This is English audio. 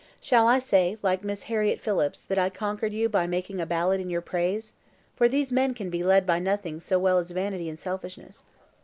"Shall I say, like Miss Harriett Phillips, that I conquered you by making a ballad in your praise? for these men can be led by nothing so well as by vanity and selfishness.